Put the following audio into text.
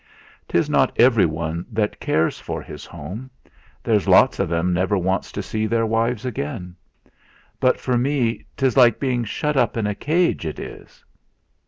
'Tis not everyone that cares for his home there's lots o' them never wants to see their wives again. But for me 'tis like being shut up in a cage, it is!"